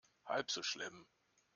Halb so schlimm.